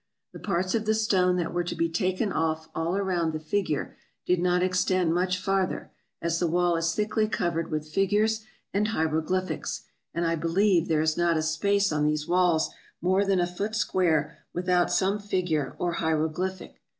The parts of the stone that were to be taken off all around the figure did not extend much farther, as the wall is thickly covered with figures and hieroglyphics, and I be lieve there is not a space on these walls more than a foot square without some figure or hieroglyphic.